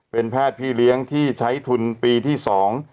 เป็นแพทย์พี่เลี้ยงที่ใช้ทุนปีที่สอง